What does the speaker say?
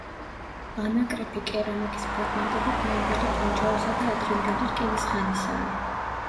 ანაკრეფი კერამიკის ფრაგმენტები გვიანდელი ბრინჯაოსა და ადრინდელი რკინის ხანისაა.